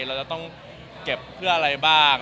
เราจะต้องเก็บเพื่ออะไรบ้าง